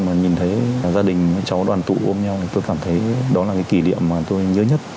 mà nhìn thấy gia đình với cháu đoàn tụ với ông nhau thì tôi cảm thấy đó là cái kỷ niệm mà tôi nhớ nhất